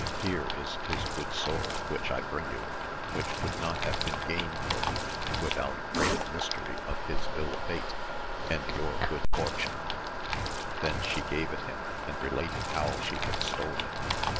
Here is his good sword which I bring you, which could not have been gained for you without great mystery of his ill fate, and your good fortune ; then she gave it him and related how she had stolen it.